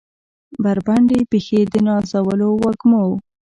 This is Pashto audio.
بربنډې پښې د نازولو وږمو